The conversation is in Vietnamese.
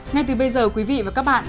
ngay từ bây giờ quý vị và các bạn